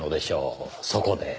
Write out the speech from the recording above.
そこで。